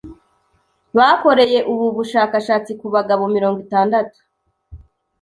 bakoreye ubu bushakashatsi ku bagabo mirongo itandatu